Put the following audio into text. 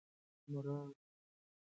مراد باید کور درلودلی وای.